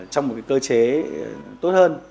trong một cơ chế tốt hơn